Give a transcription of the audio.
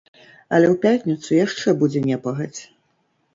Але ў пятніцу яшчэ будзе непагадзь.